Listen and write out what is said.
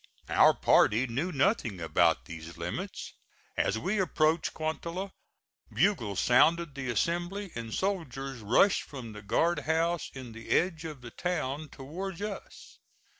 Our party knew nothing about these limits. As we approached Cuantla bugles sounded the assembly, and soldiers rushed from the guard house in the edge of the town towards us.